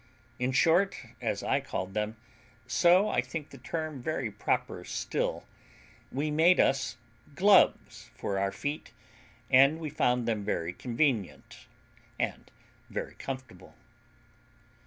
In short, as I called them, so I think the term very proper still, we made us gloves for our feet, and we found them very convenient and very comfortable.